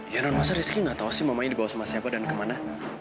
ya mas rizky gak tahu sih mamanya dibawa sama siapa dan kemana